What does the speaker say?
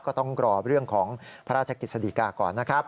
ก็ต้องรอเรื่องของพระราชกฤษฎีกาก่อนนะครับ